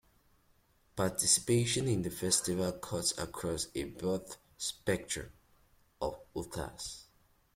Participation in the festival cuts across a broad spectrum of Utahns.